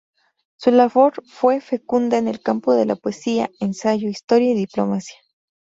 Su labor fue fecunda en el campo de la poesía, ensayo, historia y diplomacia.